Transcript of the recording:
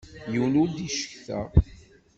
Yiwen ur d-icetka.